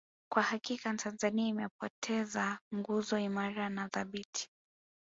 Kwa hakika Tanzania imepoteza nguzo imara na thabiti